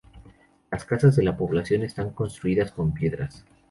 La casas de la población están construidas con piedras.